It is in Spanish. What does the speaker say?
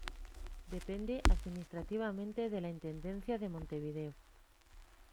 Depende administrativamente de la Intendencia de Montevideo.